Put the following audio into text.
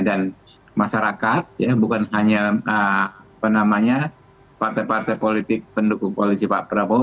dan masyarakat bukan hanya partai partai pendukung politik pak prabowo